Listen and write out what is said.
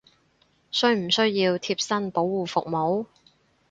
需唔需要貼身保護服務！？